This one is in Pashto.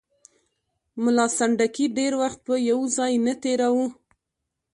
ملا سنډکي ډېر وخت په یو ځای نه تېراوه.